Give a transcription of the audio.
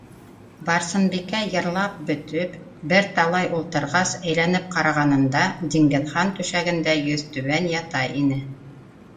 Барсынбикә йырлап бөтөп, бер талай ултырғас әйләнеп ҡарағанында Диңгеҙхан түшәгендә йөҙ түбән ята ине.